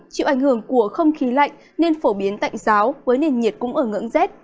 chịu ảnh hưởng của không khí lạnh nên phổ biến tạnh giáo với nền nhiệt cũng ở ngưỡng rét